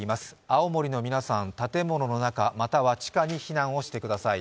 青森の皆さん、建物の中、または地下に避難してください。